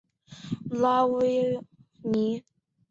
拉维尼。